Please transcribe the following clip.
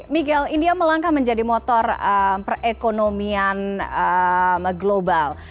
miguel india melangkah menjadi motor perekonomian global